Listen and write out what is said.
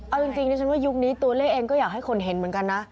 เอาจริงดิฉันว่ายุคนี้ตัวเลขเองก็อยากให้คนเห็นเหมือนกันนะ